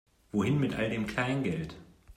Wohin mit all dem Kleingeld?